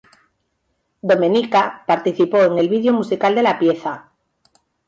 Domenica participó en el video musical de la pieza.